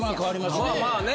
まあまあね。